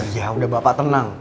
ya udah bapak tenang